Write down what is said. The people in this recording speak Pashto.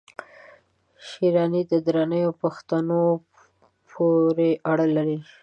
شېراني د درانیو پښتنو پوري اړه لري